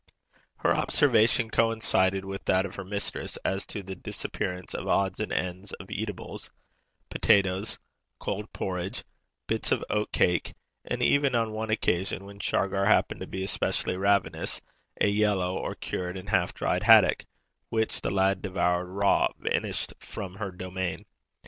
Her observation coincided with that of her mistress as to the disappearance of odds and ends of eatables potatoes, cold porridge, bits of oat cake; and even, on one occasion, when Shargar happened to be especially ravenous, a yellow, or cured and half dried, haddock, which the lad devoured raw, vanished from her domain.